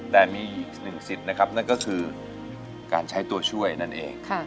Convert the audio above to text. แต่มีอีกหนึ่งสิทธิ์นะครับนั่นก็คือการใช้ตัวช่วยนั่นเอง